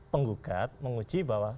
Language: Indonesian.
penggugat menguji bahwa